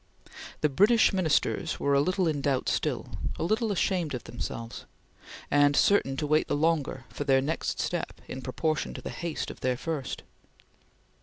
The British Ministers were a little in doubt still a little ashamed of themselves and certain to wait the longer for their next step in proportion to the haste of their first.